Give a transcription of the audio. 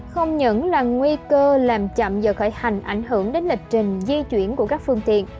không những là nguy cơ làm chậm giờ khởi hành ảnh hưởng đến lịch trình di chuyển của các phương tiện